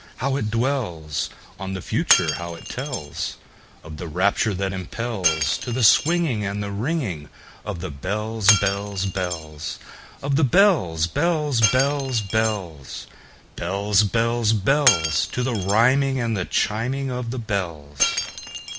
How it dwellsOn the Future! how it tellsOf the rapture that impelsTo the swinging and the ringingOf the bells, bells, bells, Of the bells, bells, bells, bells, Bells, bells, bells—To the rhyming and the chiming of the bells!